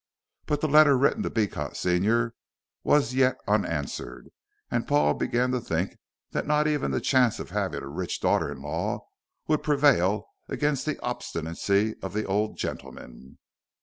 But the letter written to Beecot senior was yet unanswered, and Paul began to think that not even the chance of having a rich daughter in law would prevail against the obstinacy of the old gentleman.